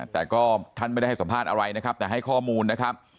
แต่ก็ท่านไม่ได้ให้สัมภาษณ์อะไรนะครับแต่ให้ข้อมูลนะครับ